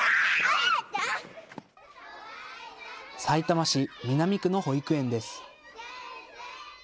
さいたま市南区の保育園です。